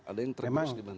ada yang tergerus dimana